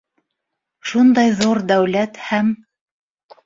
Шундай ҙур дәүләт һәм...